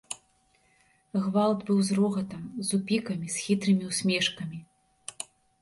Гвалт быў з рогатам, з упікамі, з хітрымі ўсмешкамі.